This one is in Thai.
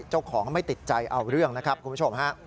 เจ้าของไม่ติดใจเอาเรื่องนะครับคุณผู้ชมฮะ